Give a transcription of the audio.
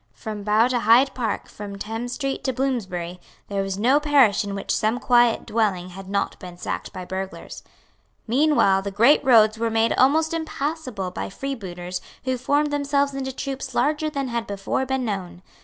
From Bow to Hyde Park, from Thames Street to Bloomsbury, there was no parish in which some quiet dwelling had not been sacked by burglars. Meanwhile the great roads were made almost impassable by freebooters who formed themselves into troops larger than had before been known.